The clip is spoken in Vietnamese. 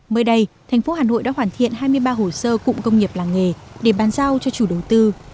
mới đây thành phố hà nội đã hoàn thiện hai mươi ba hồ sơ cụm công nghiệp làng nghề để bán giao cho chủ đầu tư